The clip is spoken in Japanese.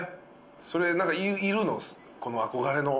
それ何かいるの？